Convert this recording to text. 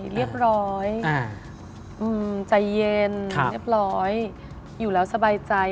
เรียบร้อยใจเย็นเรียบร้อยอยู่แล้วสบายใจ